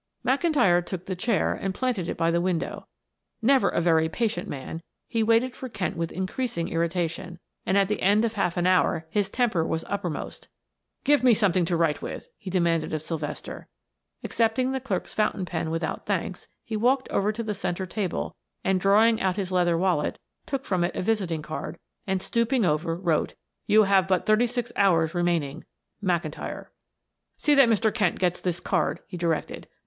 McIntyre took the chair and planted it by the window. Never a very patient man, he waited for Kent with increasing irritation, and at the end of half an hour his temper was uppermost. "Give me something to write with," he demanded of Sylvester. Accepting the clerk's fountain pen without thanks, he walked over to the center table and, drawing out his leather wallet, took from it a visiting card and, stooping over, wrote: You have but thirty six hours remaining. McIntyre. "See that Mr. Kent gets this card," he directed.